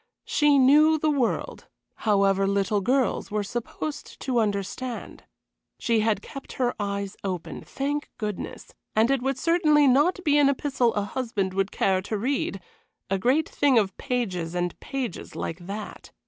She knew the world, however little girls were supposed to understand. She had kept her eyes open, thank goodness; and it would certainly not be an epistle a husband would care to read a great thing of pages and pages like that.